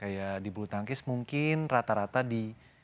kayak di bulu tangkis mungkin rata rata di